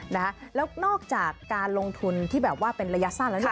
แล้วนอกจากการลงทุนที่แบบว่าเป็นระยะสั้นแล้วเนี่ย